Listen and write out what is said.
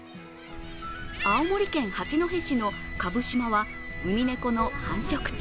青森県、八戸市の蕪島はウミネコの繁殖地。